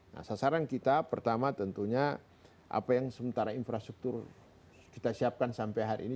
nah sasaran kita pertama tentunya apa yang sementara infrastruktur kita siapkan sampai hari ini